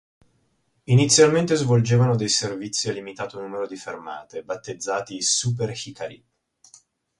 Inizialmente svolgevano dei servizi a limitato numero di fermate, battezzati "Super-Hikari".